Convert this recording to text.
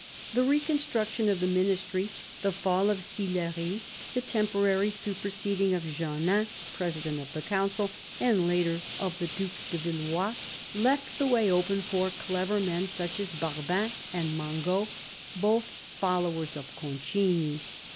The reconstruction of the Ministry, the fall of Sillery, the temporary superseding of Jeannin, President of the Council, and later of the Due de Villeroy, left the way open for clever men such as Barbin and Mangot, both followers of Concini.